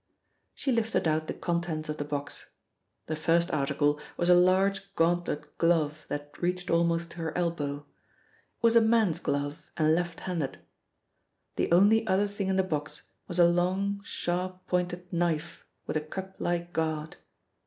She lifted out the contents of the box. The first article was a large gauntlet glove that reached almost to her elbow. It was a man's glove, and left handed. The only other thing in the box was a long, sharp pointed knife with a cup like guard.